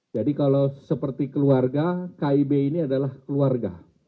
jadi kalau seperti keluarga kib ini adalah keluarga